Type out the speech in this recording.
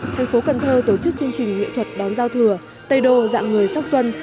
thành phố cần thơ tổ chức chương trình nghệ thuật đón giao thừa tây đô dạng người sắc xuân